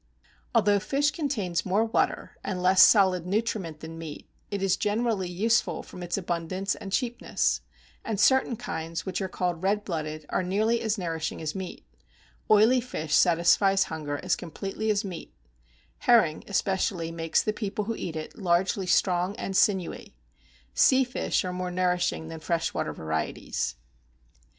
Although fish contains more water and less solid nutriment than meat, it is generally useful from its abundance and cheapness; and certain kinds which are called red blooded, are nearly as nourishing as meat: oily fish satisfies hunger as completely as meat; herring, especially, makes the people who eat it largely strong and sinewy. Sea fish are more nourishing than fresh water varieties.